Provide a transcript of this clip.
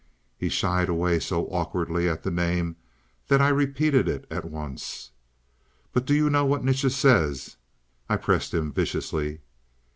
He shied away so awkwardly at the name that I repeated it at once. "But do you know what Nietzsche says?" I pressed him viciously.